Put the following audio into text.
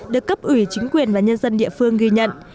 được cấp ủy chính quyền và nhân dân địa phương ghi nhận